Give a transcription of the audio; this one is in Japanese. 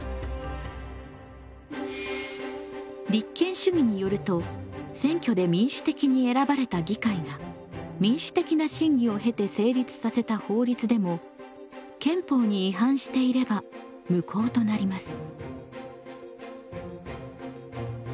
立憲主義によると選挙で民主的に選ばれた議会が民主的な審議を経て成立させた法律でも憲法に違反していれば無効となります。